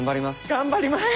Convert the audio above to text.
頑張ります！